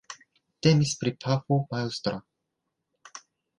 Temis pri pafo majstra.